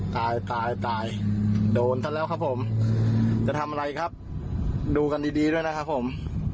ตายตายตายโดนซะแล้วครับผมจะทำอะไรครับดูกันดีดีด้วยนะครับผม